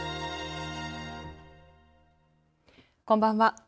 こんばんは。